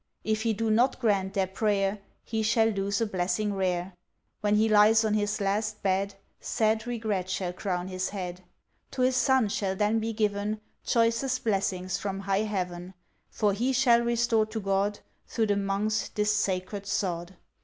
If he do not grant their prayer, He shall lose a blessing rare, When he lies on his last bed, Sad regret shall crown his head. To his son shall then be given, Choicest blessings from High Heaven, For he shall restore to God, Through the Monks this sacred sod."